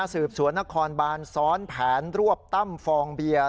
สืบสวนนครบานซ้อนแผนรวบตั้มฟองเบียร์